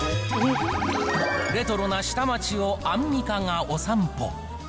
レトロな下町をアンミカがお散歩。